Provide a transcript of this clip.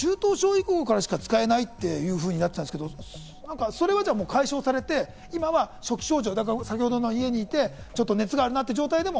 中等症以降からしか使えないとなっていたんですけど、それは解消されて今は初期症状、先ほど家にいてちょっと熱があるという状況でも